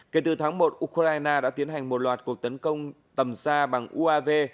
kể từ tháng một ukraine đã tiến hành một loạt cuộc tấn công tầm xa bằng uav